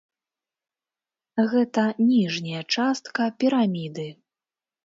Гэта ніжняя частка піраміды.